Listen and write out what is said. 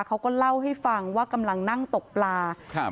เขาก็เล่าให้ฟังว่ากำลังนั่งตกปลาครับ